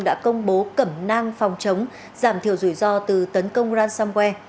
đã công bố cẩm nang phòng chống giảm thiểu rủi ro từ tấn công ransomware